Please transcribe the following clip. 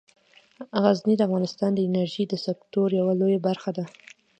غزني د افغانستان د انرژۍ د سکتور یوه لویه برخه ده.